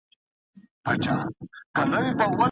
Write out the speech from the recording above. په قلم لیکنه کول د ماشین پر وړاندي د انسان بریا ده.